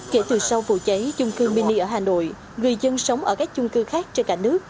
kể từ sau vụ cháy chung cư mini ở hà nội người dân sống ở các chung cư khác trên cả nước